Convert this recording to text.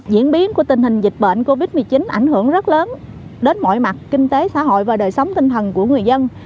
diễn biến của tình hình dịch bệnh covid một mươi chín ảnh hưởng rất lớn đến mọi mặt kinh tế xã hội và đời sống tinh thần của người dân